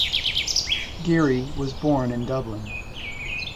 Geary was born in Dublin.